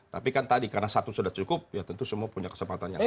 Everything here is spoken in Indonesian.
tapi kan tadi karena satu sudah cukup ya tentu semua punya kesempatan yang sama